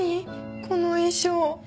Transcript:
この衣装